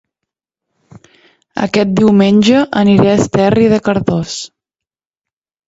Aquest diumenge aniré a Esterri de Cardós